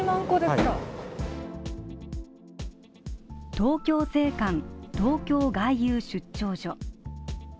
東京税関、東京外郵出張所。